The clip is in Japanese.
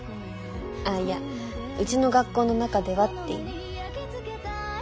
あっいや「うちの学校の中では」って意味。